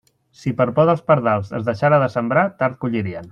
Si per por dels pardals es deixara de sembrar, tard collirien.